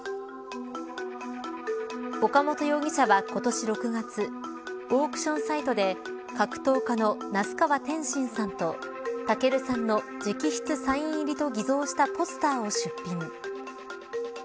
岡本容疑者は今年６月オークションサイトで格闘家の那須川天心さんと武尊さんの直筆サイン入りと偽造したポスターを出品。